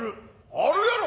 あるやろ？